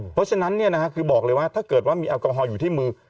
เพราะฉะนั้นคือบอกเลยว่าถ้าเกิดว่ามีแอลกอฮอลอยู่ที่มือ